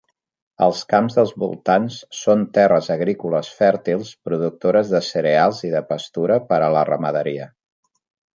Els camps dels voltants són terres agrícoles fèrtils productores de cereals i de pastura per a la ramaderia.